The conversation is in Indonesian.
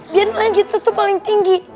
biar yang gitu tuh paling tinggi